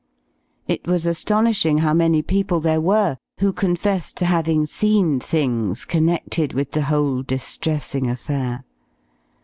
It was astonishing how many people there were who confessed to having "seen things" connected with the whole distressing affair.